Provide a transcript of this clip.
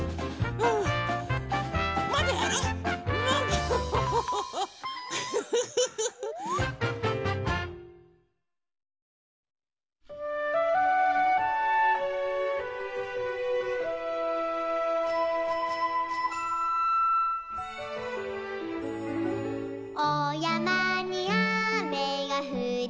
「おやまにあめがふりました」